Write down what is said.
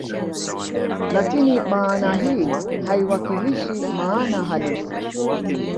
Lakini maana hii haiwakilishi maana halisi